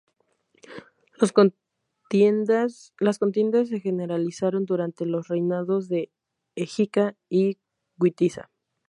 Las contiendas se generalizaron durante los reinados de Égica y Witiza.